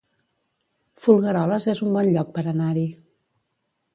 Folgueroles es un bon lloc per anar-hi